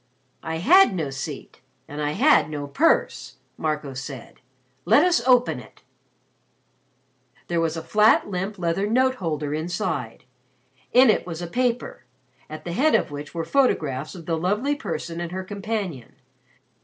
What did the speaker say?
"I had no seat and I had no purse," Marco said. "Let us open it." There was a flat limp leather note holder inside. In it was a paper, at the head of which were photographs of the Lovely Person and her companion.